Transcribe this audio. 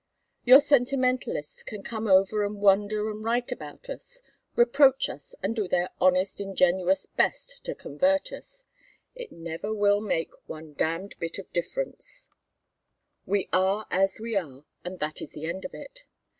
Your sentimentalists can come over and wonder and write about us, reproach us and do their honest ingenuous best to convert us, it never will make one damned bit of difference. We are as we are and that is the end of it.